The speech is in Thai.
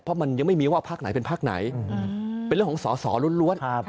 เพราะมันยังไม่มีว่าพักไหนเป็นภาคไหนเป็นเรื่องของสอสอล้วน